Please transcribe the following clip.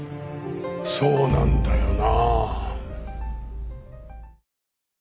そうなんだよな。